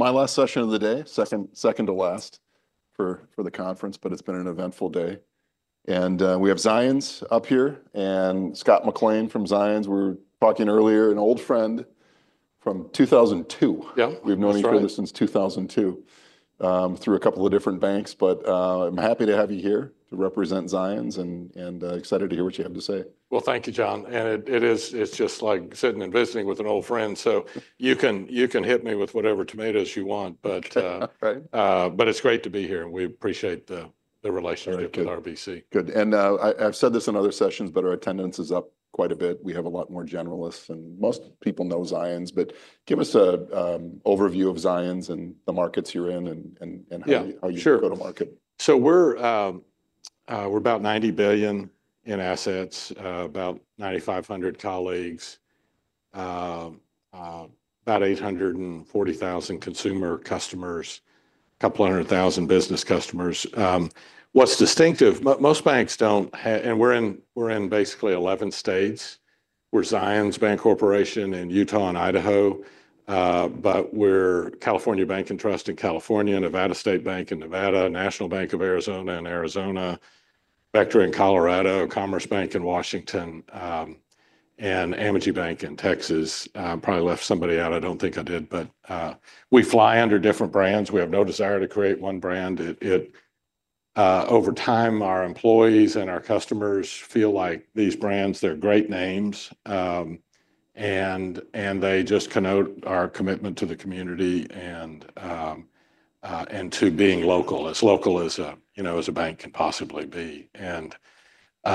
My last session of the day, second to last for the conference, but it's been an eventful day, and we have Zions up here and Scott McLean from Zions. We were talking earlier, an old friend from 2002. Yeah, that's right. We've known each other since 2002 through a couple of different banks, but I'm happy to have you here to represent Zions, and excited to hear what you have to say. Thank you, Jon. It is just like sitting and visiting with an old friend. So you can hit me with whatever tomatoes you want, but it's great to be here. We appreciate the relationship with RBC. Good. And I've said this in other sessions, but our attendance is up quite a bit. We have a lot more generalists, and most people know Zions, but give us an overview of Zions and the markets you're in and how you go to market. So we're about $90 billion in assets, about 9,500 colleagues, about 840,000 consumer customers, a couple hundred thousand business customers. What's distinctive? Most banks don't have, and we're in basically 11 states. We're Zions Bancorporation in Utah and Idaho, but we're California Bank & Trust in California, Nevada State Bank in Nevada, National Bank of Arizona in Arizona, Vectra in Colorado, Commerce Bank in Washington, and Amegy Bank in Texas. Probably left somebody out. I don't think I did, but we fly under different brands. We have no desire to create one brand. Over time, our employees and our customers feel like these brands, they're great names, and they just connote our commitment to the community and to being local as local as a bank can possibly be. And the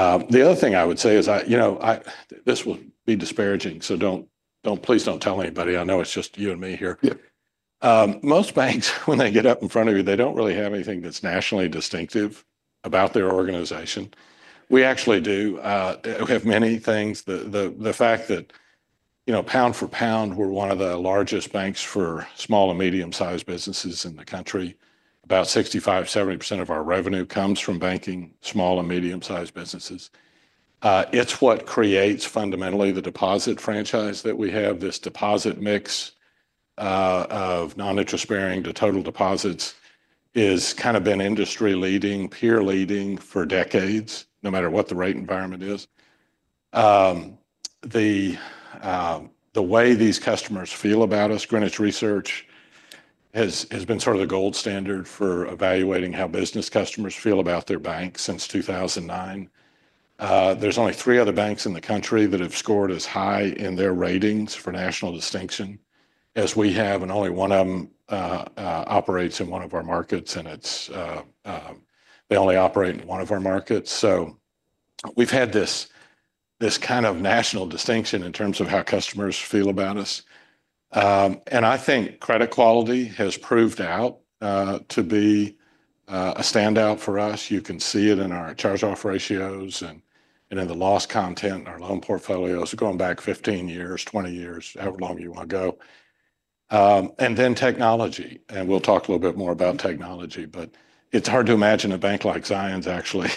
other thing I would say is, you know, this will be disparaging, so please don't tell anybody. I know it's just you and me here. Most banks, when they get up in front of you, they don't really have anything that's nationally distinctive about their organization. We actually do have many things. The fact that, you know, pound for pound, we're one of the largest banks for small and medium-sized businesses in the country. About 65%-70% of our revenue comes from banking small and medium-sized businesses. It's what creates fundamentally the deposit franchise that we have. This deposit mix of non-interest bearing to total deposits has kind of been industry-leading, peer-leading for decades, no matter what the rate environment is. The way these customers feel about us, Greenwich Research has been sort of the gold standard for evaluating how business customers feel about their bank since 2009. There's only three other banks in the country that have scored as high in their ratings for national distinction as we have, and only one of them operates in one of our markets, and they only operate in one of our markets. So we've had this kind of national distinction in terms of how customers feel about us. And I think credit quality has proved out to be a standout for us. You can see it in our charge-off ratios and in the loss content in our loan portfolios going back 15 years, 20 years, however long you want to go. And then technology, and we'll talk a little bit more about technology, but it's hard to imagine a bank like Zions actually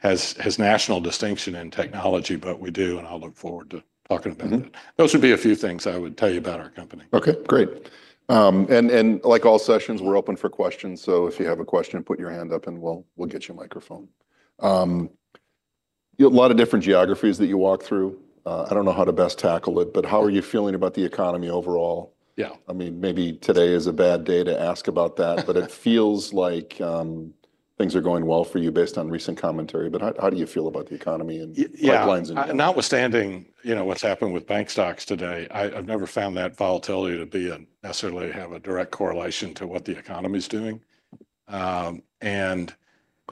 has national distinction in technology, but we do, and I'll look forward to talking about it. Those would be a few things I would tell you about our company. Okay, great. And like all sessions, we're open for questions. So if you have a question, put your hand up and we'll get you a microphone. A lot of different geographies that you walk through. I don't know how to best tackle it, but how are you feeling about the economy overall? Yeah, I mean, maybe today is a bad day to ask about that, but it feels like things are going well for you based on recent commentary. But how do you feel about the economy and pipelines? Notwithstanding, you know, what's happened with bank stocks today, I've never found that volatility to be necessarily have a direct correlation to what the economy's doing. And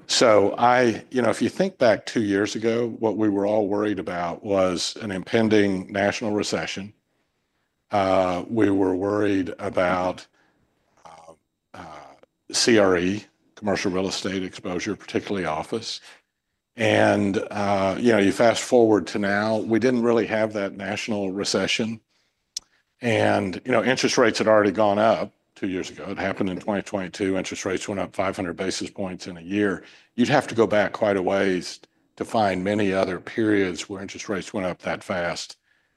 so I, you know, if you think back two years ago, what we were all worried about was an impending national recession. We were worried about CRE, commercial real estate exposure, particularly office. And you know, you fast forward to now, we didn't really have that national recession. And you know, interest rates had already gone up two years ago. It happened in 2022. Interest rates went up 500 basis points in a year. You'd have to go back quite a ways to find many other periods where interest rates went up that fast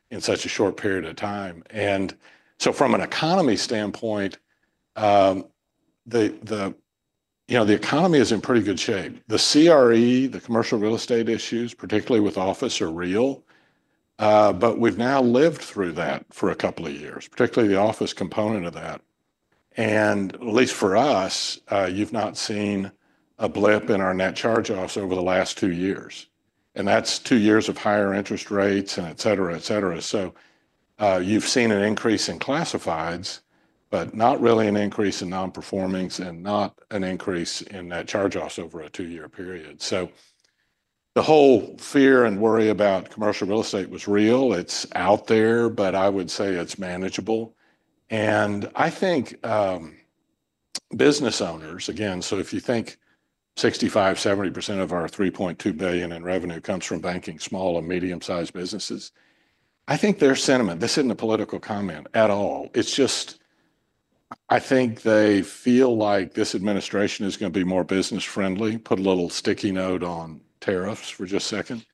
in such a short period of time. And so from an economy standpoint, you know, the economy is in pretty good shape. The CRE, the commercial real estate issues, particularly with office, are real. But we've now lived through that for a couple of years, particularly the office component of that. And at least for us, you've not seen a blip in our net charge-offs over the last two years. And that's two years of higher interest rates and et cetera, et cetera. So you've seen an increase in classifieds, but not really an increase in non-performings and not an increase in net charge-offs over a two-year period. So the whole fear and worry about commercial real estate was real. It's out there, but I would say it's manageable. And I think business owners, again, so if you think 65%-70% of our $3.2 billion in revenue comes from banking small and medium-sized businesses, I think their sentiment, this isn't a political comment at all. It's just, I think they feel like this administration is going to be more business-friendly, put a little sticky note on tariffs for just a second.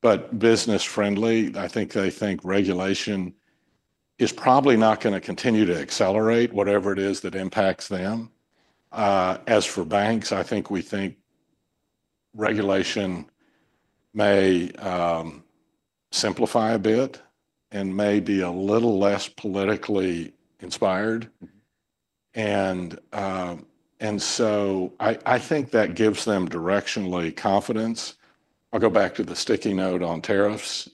But business-friendly, I think they think regulation is probably not going to continue to accelerate whatever it is that impacts them. As for banks, I think we think regulation may simplify a bit and may be a little less politically inspired. And so I think that gives them directionally confidence. I'll go back to the sticky note on tariffs.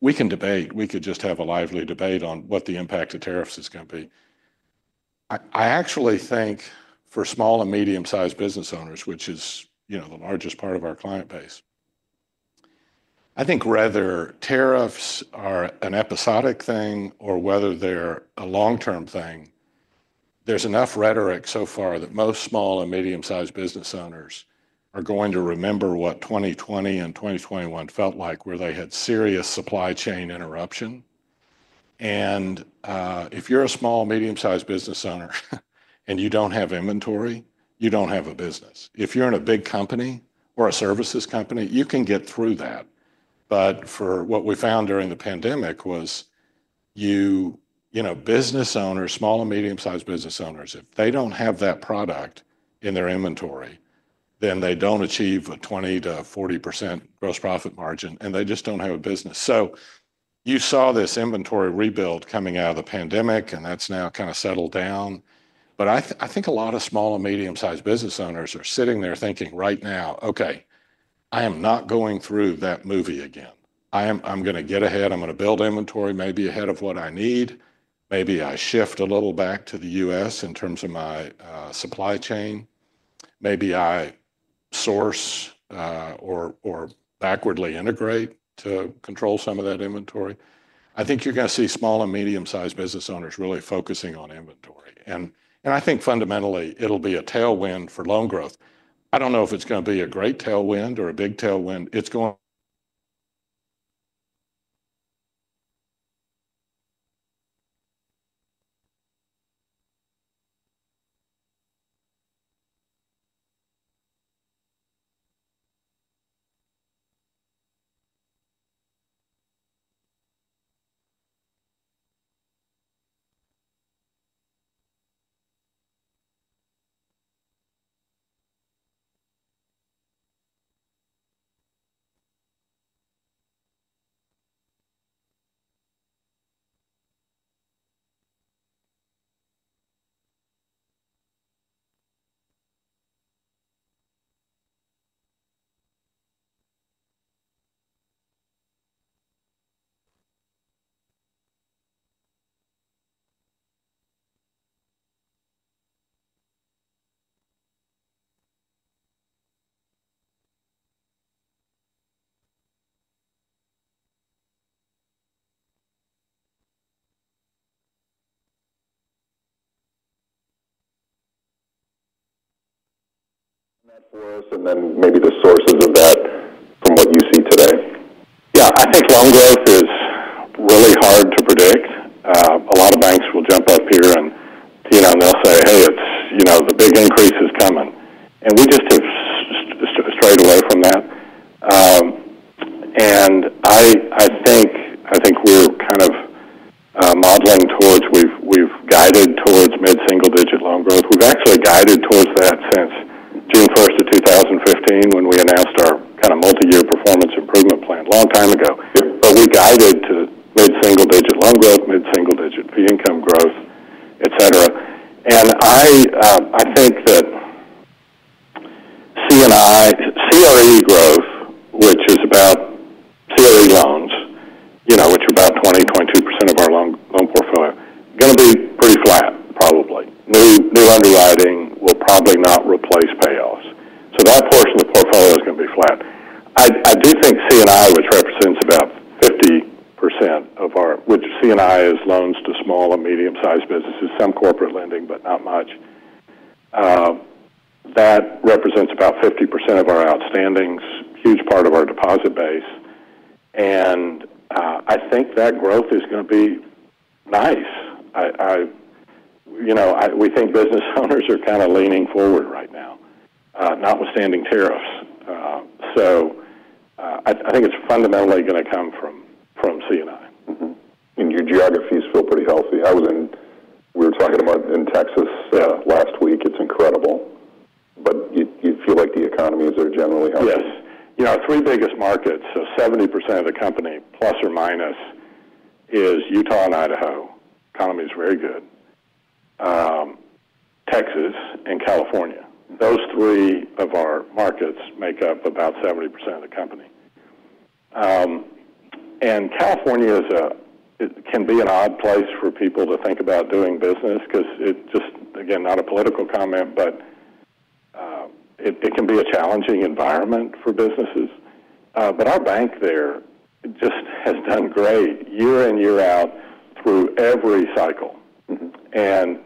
We can debate. We could just have a lively debate on what the impact of tariffs is going to be. I actually think for small and medium-sized business owners, which is, you know, the largest part of our client base, I think whether tariffs are an episodic thing or whether they're a long-term thing, there's enough rhetoric so far that most small and medium-sized business owners are going to remember what 2020 and 2021 felt like, where they had serious supply chain interruption. And if you're a small, medium-sized business owner and you don't have inventory, you don't have a business. If you're in a big company or a services company, you can get through that. But for what we found during the pandemic was, you know, business owners, small and medium-sized business owners, if they don't have that product in their inventory, then they don't achieve a 20%-40% gross profit margin and they just don't have a business. So you saw this inventory rebuild coming out of the pandemic and that's now kind of settled down. But I think a lot of small and medium-sized business owners are sitting there thinking right now, okay, I am not going through that movie again. I'm going to get ahead. I'm going to build inventory, maybe ahead of what I need. Maybe I shift a little back to the U.S. in terms of my supply chain. Maybe I source or backwardly integrate to control some of that inventory. I think you're going to see small and medium-sized business owners really focusing on inventory. And I think fundamentally it'll be a tailwind for loan growth. I don't know if it's going to be a great tailwind or a big tailwind. It's going to. And that's worse. And then maybe the sources of that from what you see today. Yeah, I think loan growth is really hard to predict. A lot of banks will jump up here and, you know, they'll say, hey, it's, you know, the big increase is coming. And we just You feel like the economies are generally healthy? Yes. You know, three biggest markets, so 70% of the company plus or minus is Utah and Idaho. Economy is very good. Texas and California. Those three of our markets make up about 70% of the company, and California can be an odd place for people to think about doing business because it's just, again, not a political comment, but it can be a challenging environment for businesses, but our bank there just has done great year in, year out through every cycle, and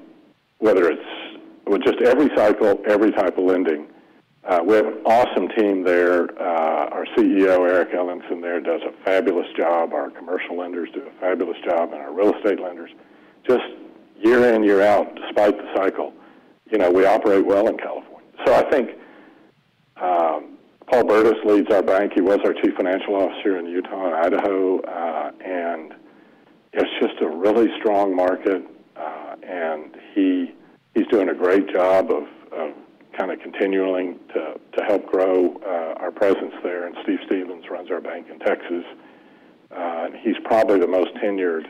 whether it's just every cycle, every type of lending. We have an awesome team there. Our CEO, Eric Ellingsen there, does a fabulous job. Our commercial lenders do a fabulous job and our real estate lenders. Just year in, year out, despite the cycle, you know, we operate well in California, so I think Paul Burdiss leads our bank. He was our Chief Financial Officer in Utah and Idaho. And it's just a really strong market. And he's doing a great job of kind of continuing to help grow our presence there. And Steve Stephens runs our bank in Texas. He's probably the most tenured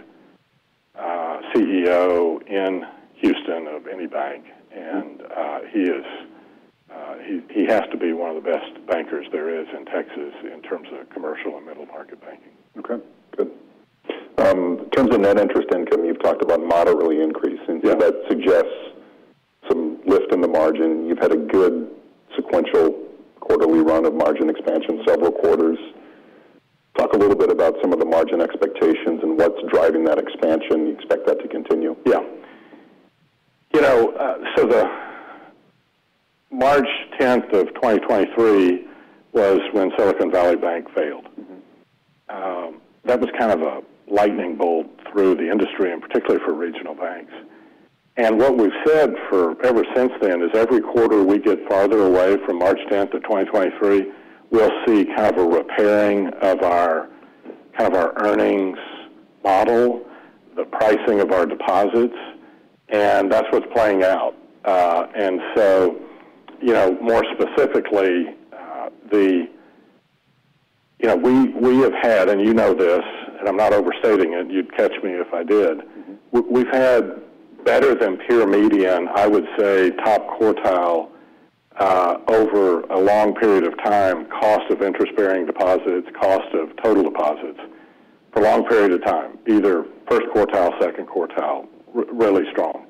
CEO in Houston of any bank. And he has to be one of the best bankers there is in Texas in terms of commercial and middle market banking. Okay, good. In terms of net interest income, you've talked about moderately increasing. That suggests some lift in the margin. You've had a good sequential quarterly run of margin expansion, several quarters. Talk a little bit about some of the margin expectations and what's driving that expansion. You expect that to continue? Yeah. You know, so the March 10th of 2023 was when Silicon Valley Bank failed. That was kind of a lightning bolt through the industry and particularly for regional banks. And what we've said for ever since then is every quarter we get farther away from March 10th of 2023, we'll see kind of a repairing of our kind of our earnings model, the pricing of our deposits. And so, you know, more specifically, you know, we have had, and you know this, and I'm not overstating it, you'd catch me if I did. We've had better than pure median, I would say top quartile over a long period of time, cost of interest-bearing deposits, cost of total deposits for a long period of time, either first quartile, second quartile, really strong.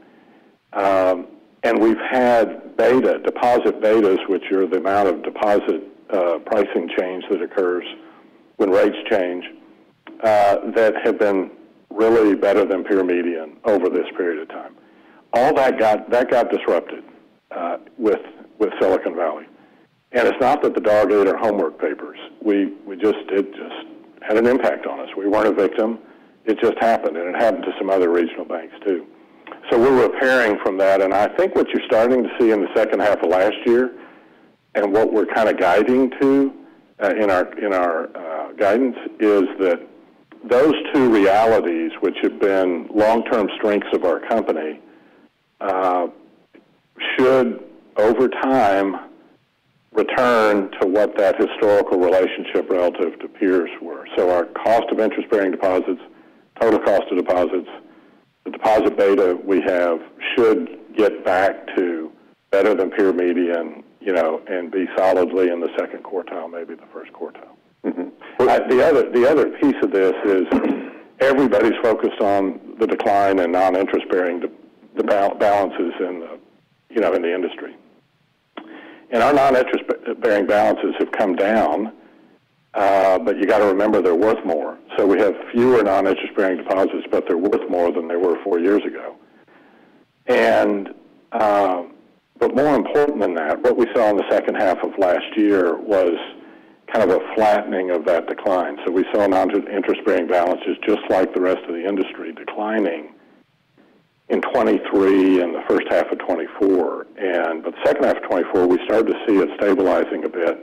And we've had beta, deposit betas, which are the amount of deposit pricing change that occurs when rates change, that have been really better than peer median over this period of time. All that got disrupted with Silicon Valley. And it's not that the dog ate our homework papers. We just, it just had an impact on us. We weren't a victim. It just happened. And it happened to some other regional banks too. So we're repairing from that. And I think what you're starting to see in the second half of last year and what we're kind of guiding to in our guidance is that those two realities, which have been long-term strengths of our company, should over time return to what that historical relationship relative to peers were. Our cost of interest-bearing deposits, total cost of deposits, the deposit beta we have should get back to better than peer median, you know, and be solidly in the second quartile, maybe the first quartile. The other piece of this is everybody's focused on the decline in non-interest-bearing balances in the, you know, in the industry. Our non-interest-bearing balances have come down, but you got to remember they're worth more. We have fewer non-interest-bearing deposits, but they're worth more than they were four years ago. But more important than that, what we saw in the second half of last year was kind of a flattening of that decline. We saw non-interest-bearing balances just like the rest of the industry declining in 2023 and the first half of 2024. But the second half of 2024, we started to see it stabilizing a bit.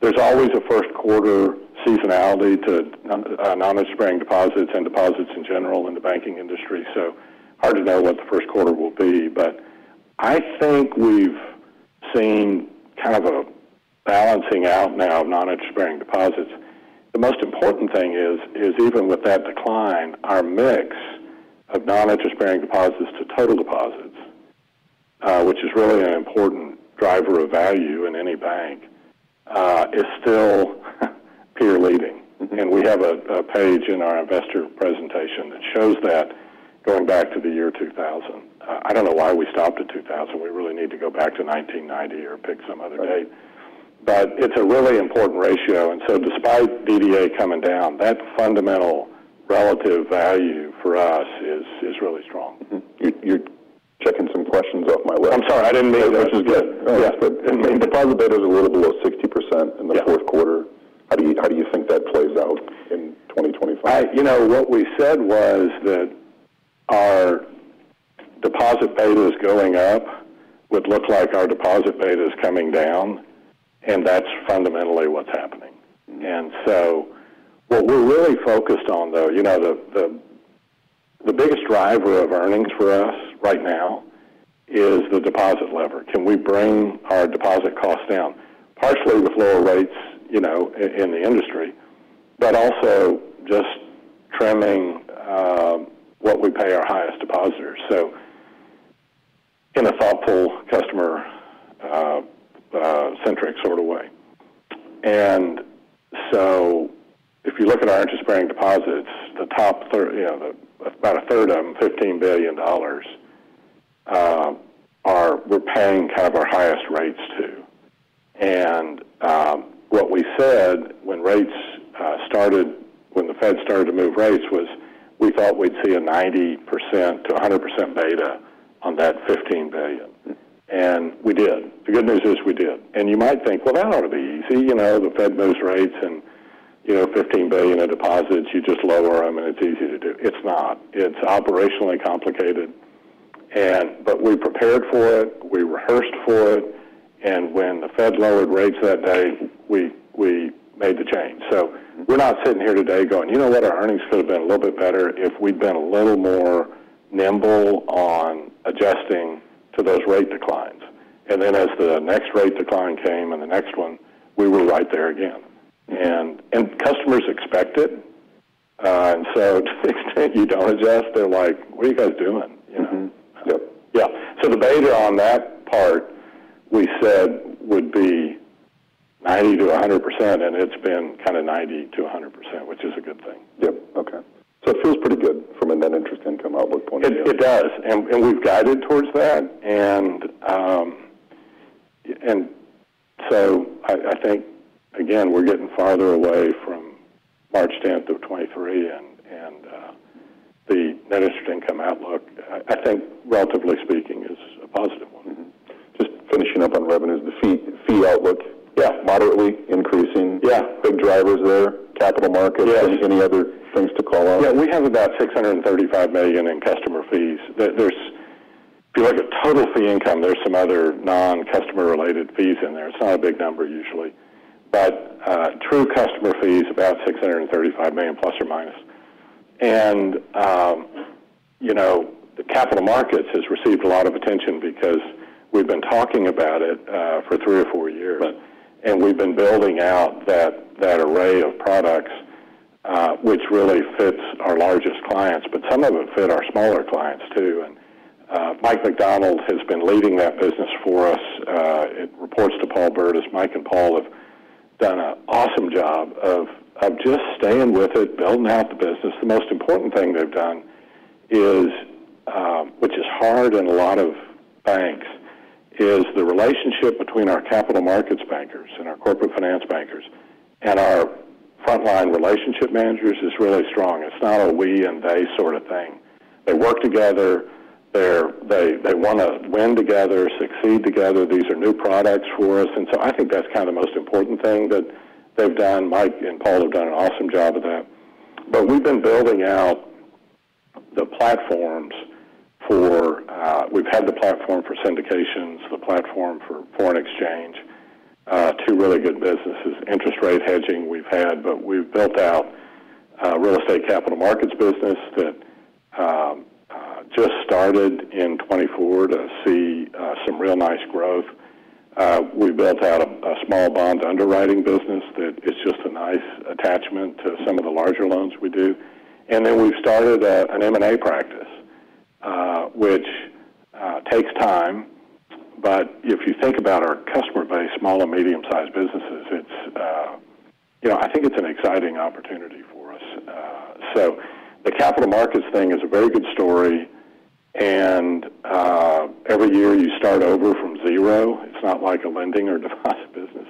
There's always a first quarter seasonality to non-interest-bearing deposits and deposits in general in the banking industry. So hard to know what the first quarter will be. But I think we've seen kind of a balancing out now of non-interest-bearing deposits. The most important thing is, is even with that decline, our mix of non-interest-bearing deposits to total deposits, which is really an important driver of value in any bank, is still peer leading. And we have a page in our investor presentation that shows that going back to the year 2000. I don't know why we stopped at 2000. We really need to go back to 1990 or pick some other date. But it's a really important ratio. And so despite DDA coming down, that fundamental relative value for us is really strong. You're checking some questions off my list. I'm sorry. I didn't mean that. Yes, but deposit beta is a little below 60% in the fourth quarter. How do you think that plays out in 2025? You know, what we said was that our deposit beta is going up. Would look like our deposit beta is coming down. That's fundamentally what's happening. So what we're really focused on though, you know, the biggest driver of earnings for us right now is the deposit lever. Can we bring our deposit costs down? Partially with lower rates, you know, in the industry, but also just trimming what we pay our highest depositors. So in a thoughtful customer-centric sort of way. And so if you look at our interest-bearing deposits, the top, you know, about a third of them, $15 billion, we're paying kind of our highest rates to. And what we said when rates started, when the Fed started to move rates was we thought we'd see a 90%-100% beta on that $15 billion. And we did. The good news is we did. You might think, well, that ought to be easy. You know, the Fed moves rates and, you know, $15 billion of deposits, you just lower them and it's easy to do. It's not. It's operationally complicated. But we prepared for it. We rehearsed for it. And when the Fed lowered rates that day, we made the change. So we're not sitting here today going, you know what, our earnings could have been a little bit better if we'd been a little more nimble on adjusting to those rate declines. And then as the next rate decline came and the next one, we were right there again. And customers expect it. And so to the extent you don't adjust, they're like, what are you guys doing? You know. Yep. Yeah. So the beta on that part we said would be 90%-100%. And it's been kind of 90%-100%, which is a good thing. Yep. Okay. So it feels pretty good from a net interest income outlook point of view. It does. And we've guided towards that. And so I think, again, we're getting farther away from March 10th of 2023. And the net interest income outlook, I think relatively speaking, is a positive one. Just finishing up on revenues, the fee outlook. Yeah. Moderately increasing. Yeah. Big drivers there. Capital markets. Yes. Any other things to call out? Yeah, we have about $635 million in customer fees. There's, if you look at total fee income, there's some other non-customer related fees in there. It's not a big number usually. But true customer fees, about $635 million plus or minus, and you know, the capital markets has received a lot of attention because we've been talking about it for three or four years. And we've been building out that array of products, which really fits our largest clients, but some of them fit our smaller clients too, and Mike McDonald has been leading that business for us. It reports to Paul Burdiss. Mike and Paul have done an awesome job of just staying with it, building out the business. The most important thing they've done, which is hard in a lot of banks, is the relationship between our capital markets bankers and our corporate finance bankers and our frontline relationship managers is really strong. It's not a we and they sort of thing. They work together. They want to win together, succeed together. These are new products for us, and so I think that's kind of the most important thing that they've done. Mike and Paul have done an awesome job of that, but we've been building out the platforms for. We've had the platform for syndications, the platform for foreign exchange, two really good businesses. Interest rate hedging we've had, but we've built out a real estate capital markets business that just started in 2024 to see some real nice growth. We built out a small bond underwriting business that is just a nice attachment to some of the larger loans we do, and then we've started an M&A practice, which takes time, but if you think about our customer base, small and medium-sized businesses, it's, you know, I think it's an exciting opportunity for us, so the capital markets thing is a very good story, and every year you start over from zero. It's not like a lending or deposit business,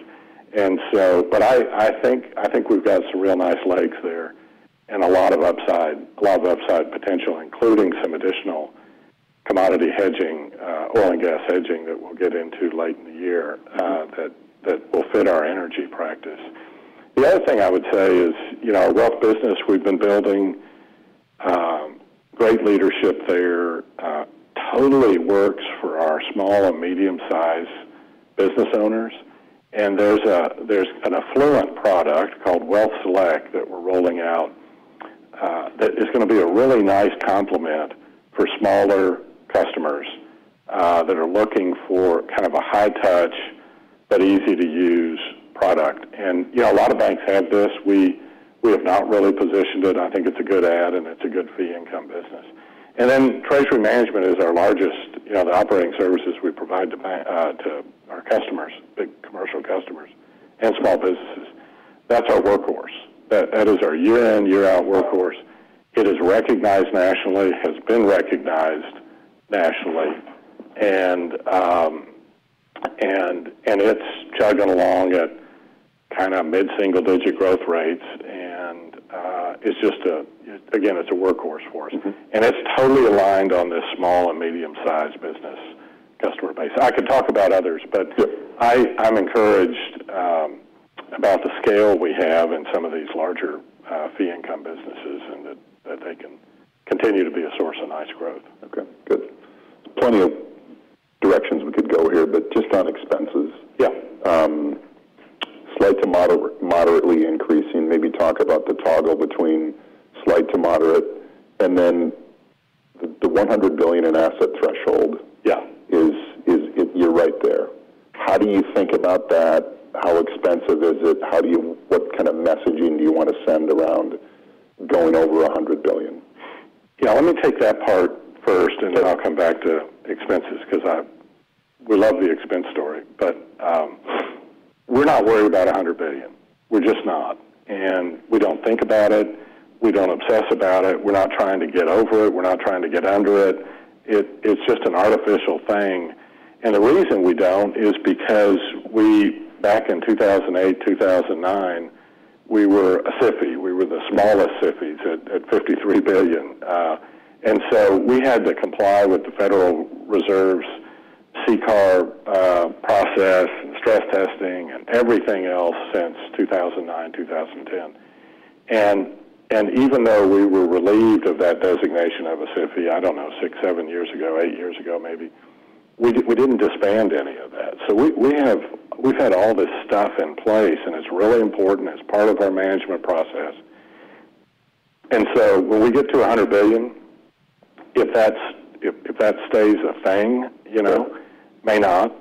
and so, but I think we've got some real nice legs there and a lot of upside, a lot of upside potential, including some additional commodity hedging, oil and gas hedging that we'll get into late in the year that will fit our energy practice. The other thing I would say is, you know, a robust business we've been building, great leadership there, totally works for our small and medium-sized business owners. And there's an affluent product called Wealth Select that we're rolling out that is going to be a really nice complement for smaller customers that are looking for kind of a high-touch but easy-to-use product. And, you know, a lot of banks have this. We have not really positioned it. I think it's a good add and it's a good fee income business. And then treasury management is our largest, you know, the operating services we provide to our customers, big commercial customers and small businesses. That's our workhorse. That is our year-in, year-out workhorse. It is recognized nationally, has been recognized nationally. And it's chugging along at kind of mid-single-digit growth rates. And it's just, again, it's a workhorse for us. And it's totally aligned on this small and medium-sized business customer base. I could talk about others, but I'm encouraged about the scale we have in some of these larger fee income businesses and that they can continue to be a source of nice growth. Okay. Good. Plenty of directions we could go here, but just on expenses. Yeah. Slight to moderately increasing, maybe talk about the toggle between slight to moderate, and then the $100 billion in asset threshold. Yeah. So you're right there. How do you think about that? How expensive is it? How do you, what kind of messaging do you want to send around going over $100 billion? Yeah, let me take that part first and then I'll come back to expenses because we love the expense story. But we're not worried about $100 billion. We're just not. And we don't think about it. We don't obsess about it. We're not trying to get over it. We're not trying to get under it. It's just an artificial thing. And the reason we don't is because we, back in 2008-2009, we were a SIFI. We were the smallest SIFIs at $53 billion. And so we had to comply with the Federal Reserve's CCAR process and stress testing and everything else since 2009-2010. And even though we were relieved of that designation of a SIFI, I don't know, six, seven years ago, eight years ago maybe, we didn't disband any of that. So we have had all this stuff in place and it's really important. It's part of our management process. And so when we get to $100 billion, if that stays a thing, you know, may not,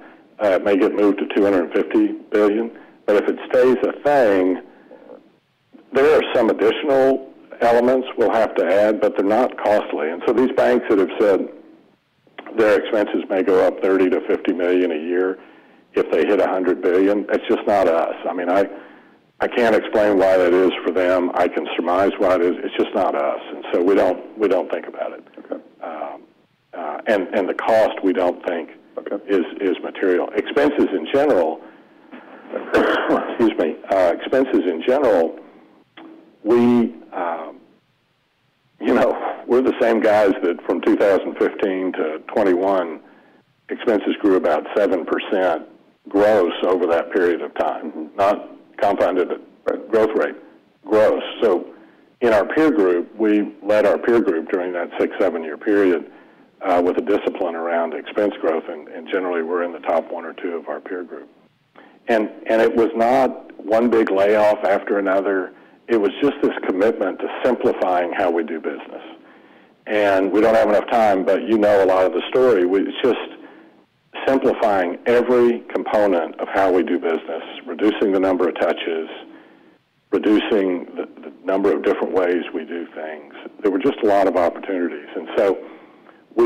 may get moved to $250 billion. But if it stays a thing, there are some additional elements we'll have to add, but they're not costly. And so these banks that have said their expenses may go up $30-$50 million a year if they hit $100 billion, it's just not us. I mean, I can't explain why that is for them. I can surmise why it is. It's just not us. And so we don't think about it. Okay. The cost, we don't think is material. Expenses in general, excuse me, expenses in general, we, you know, we're the same guys that from 2015 to 2021, expenses grew about 7% gross over that period of time, not compounded at growth rate, gross. So in our peer group, we led our peer group during that six, seven-year period with a discipline around expense growth. And generally, we're in the top one or two of our peer group. And it was not one big layoff after another. It was just this commitment to simplifying how we do business. And we don't have enough time, but you know a lot of the story. It's just simplifying every component of how we do business, reducing the number of touches, reducing the number of different ways we do things. There were just a lot of opportunities. And so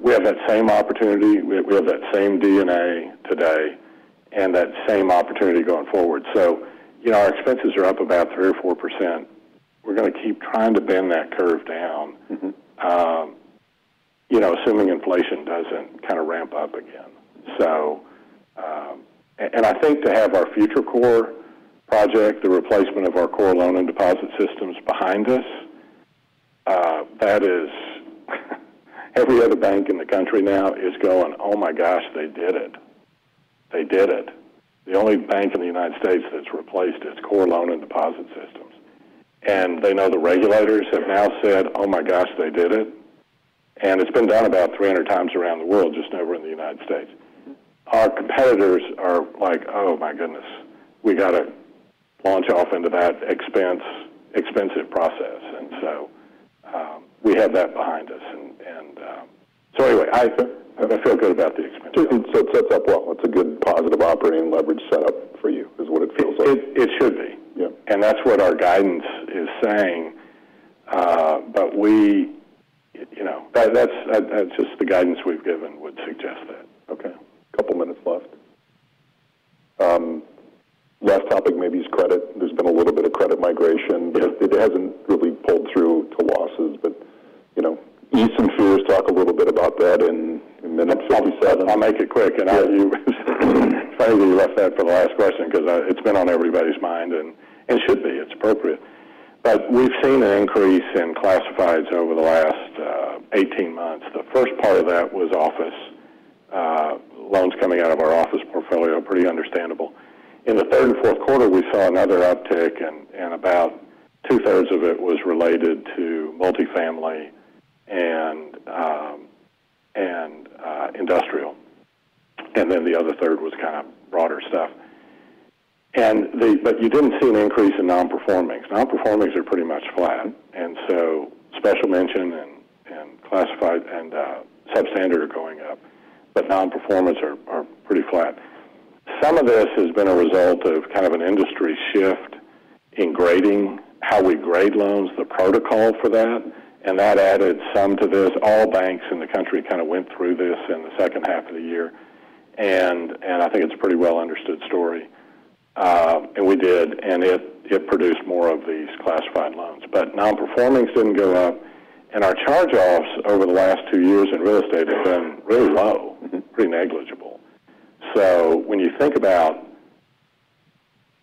we have that same opportunity. We have that same DNA today and that same opportunity going forward. So, you know, our expenses are up about 3%-4%. We're going to keep trying to bend that curve down, you know, assuming inflation doesn't kind of ramp up again. So, and I think to have our FutureCore project, the replacement of our core loan and deposit systems behind us, that is, every other bank in the country now is going, "Oh my gosh, they did it. They did it." The only bank in the United States that's replaced its core loan and deposit systems. And they know the regulators have now said, "Oh my gosh, they did it." And it's been done about 300 times around the world, just never in the United States. Our competitors are like, "Oh my goodness, we got to launch off into that expensive process," and so we have that behind us, and so anyway, I feel good about the expenses. It sets up well. It's a good positive operating leverage setup for you is what it feels like. It should be. Yeah. That's what our guidance is saying. But we, you know, that's just the guidance we've given would suggest that. Okay. A couple of minutes left. Last topic maybe is credit. There's been a little bit of credit migration. It hasn't really pulled through to losses, but, you know, Easton Fears talked a little bit about that in minute 57. I'll make it quick. Yeah. I'll tell you, frankly, you left that for the last question because it's been on everybody's mind and it should be. It's appropriate, but we've seen an increase in classifieds over the last 18 months. The first part of that was office loans coming out of our office portfolio, pretty understandable. In the third and fourth quarter, we saw another uptick, and about two-thirds of it was related to multifamily and industrial, and then the other third was kind of broader stuff, but you didn't see an increase in non-performings. Non-performings are pretty much flat, and so special mention and classified and substandard are going up, but non-performance are pretty flat. Some of this has been a result of kind of an industry shift in grading, how we grade loans, the protocol for that, and that added some to this. All banks in the country kind of went through this in the second half of the year. And I think it's a pretty well-understood story. And we did. And it produced more of these classified loans. But non-performings didn't go up. And our charge-offs over the last two years in real estate have been really low, pretty negligible. So when you think about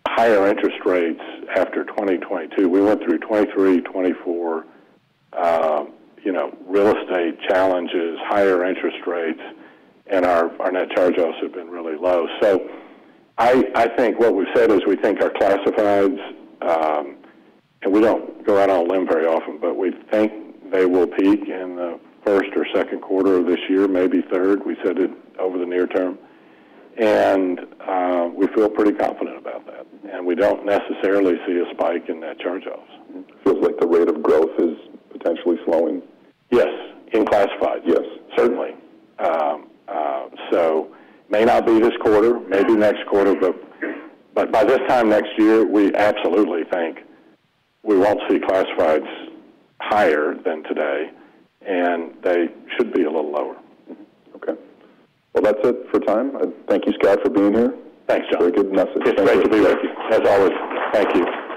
higher interest rates after 2022, we went through 2023-2024, you know, real estate challenges, higher interest rates, and our net charge-offs have been really low. So I think what we've said is we think our classifieds, and we don't go out on a limb very often, but we think they will peak in the first or second quarter of this year, maybe third. We said it over the near term. And we feel pretty confident about that. We don't necessarily see a spike in net charge-offs. Feels like the rate of growth is potentially slowing. Yes. In classifieds. Yes. Certainly, so may not be this quarter, maybe next quarter, but by this time next year, we absolutely think we won't see classifieds higher than today, and they should be a little lower. Okay. Well, that's it for time. Thank you, Scott, for being here. Thanks, Jon. Very good message. It's great to be with you. As always, thank you.